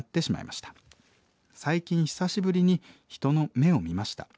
最近久しぶりに人の目を見ました。